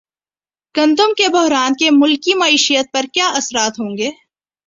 گندم کے بحران کے ملکی معیشت پر کیا اثرات ہوں گے